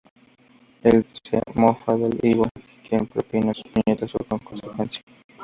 Él se mofa de Ivo quien le propina un puñetazo por consecuencia.